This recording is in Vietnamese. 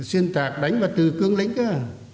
xuyên tạc đánh vào từ cương lĩnh cơ à